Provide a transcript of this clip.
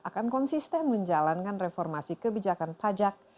akan konsisten menjalankan reformasi kebijakan pajak